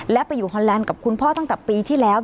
และไปอยู่ฮอนแลนด์กับคุณพ่อตั้งแต่ปีที่แล้ว